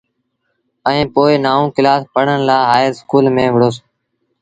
ائيٚݩ پو نآئوٚݩ ڪلآس پڙهڻ لآ هآئي اسڪول ميݩ وُهڙوس۔